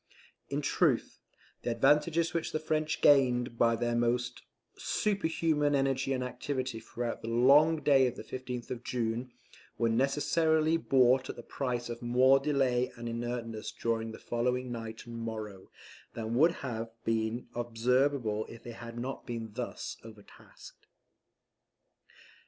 In truth, the advantages which the French gained by their almost superhuman energy and activity throughout the long day of the 15th of June, were necessarily bought at the price of more delay and inertness during the following night and morrow, than would have been observable if they had not been thus overtasked.